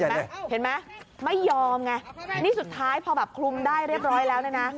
เห็นไหมเห็นไหมไม่ยอมไงนี่สุดท้ายพอแบบคลุมได้เรียบร้อยแล้วเนี่ยนะ